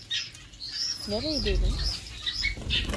Nereye girdin?